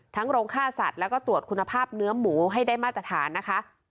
โรงค่าสัตว์แล้วก็ตรวจคุณภาพเนื้อหมูให้ได้มาตรฐานนะคะ